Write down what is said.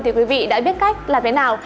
thì quý vị đã biết cách làm thế nào